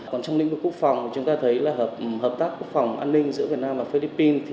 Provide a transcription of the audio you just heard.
còn trong lĩnh vực quốc phòng chúng ta thấy là hợp tác quốc phòng an ninh giữa việt nam và philippines